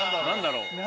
何だろう？